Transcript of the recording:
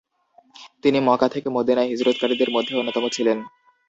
তিনি মক্কা থেকে মদিনায় হিজরতকারীদের মধ্যে অন্যতম ছিলেন।